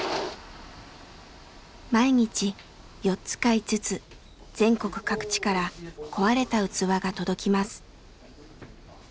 毎日４つか５つ全国各地から壊れた器が届きます。